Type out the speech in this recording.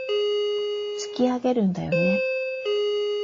突き上げるんだよね